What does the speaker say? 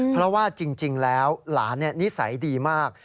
เพราะว่าจริงแล้วหลานนิสัยดีมาก